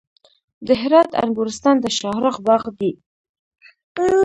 د هرات انګورستان د شاهرخ باغ دی